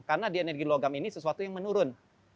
karena di energi logam ini sesuatu yang menurun